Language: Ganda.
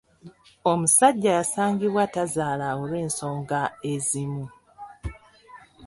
Omusajja yasangibwa tazaala olw'ensonga ezimu.